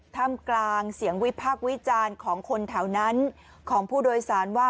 ทำกลางเสียงวิพากษ์วิจารณ์ของคนแถวนั้นของผู้โดยสารว่า